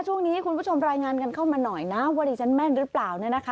ช่วงนี้คุณผู้ชมรายงานกันเข้ามาหน่อยนะว่าดิฉันแม่นหรือเปล่าเนี่ยนะคะ